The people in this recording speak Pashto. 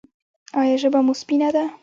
ایا ژبه مو سپینه ده؟